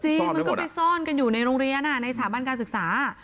มันก็ไปซ่อนกันอยู่ในโรงเรียนในสถาบันการศึกษา